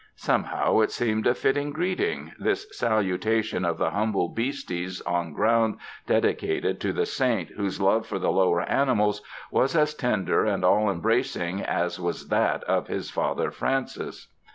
Somehow, it seemed a fitting greeting, this salutation of the humble beasties on ground dedi cated to the saint whose love for the lower animals was as tender and all embracing as was that of his Father Francis.